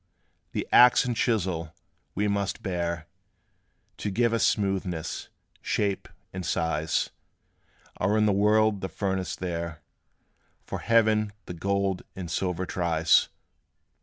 The axe and chisel, we must bear, To give us smoothness, shape, and size, Are in the world the furnace there; For Heaven the gold and silver tries.